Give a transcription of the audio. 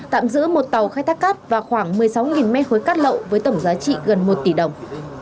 tạm giữ một tàu khai thác cát và khoảng một mươi sáu mét khối cát lậu với tổng giá trị gần một tỷ đồng